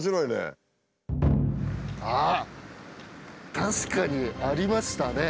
確かにありましたね。